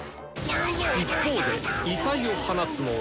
一方で異彩を放つのは。